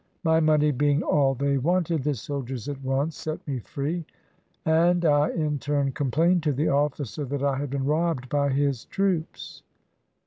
My money being all they wanted, the soldiers at once set me free, and I in turn complained to the officer that I had been robbed by his troops.